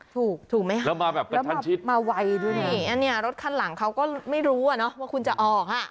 ถูกถูกไหมแล้วมาแบบกระชันชิดมาไวดูนะอันนี้รถข้างหลังเขาก็ไม่รู้ว่าคุณจะออก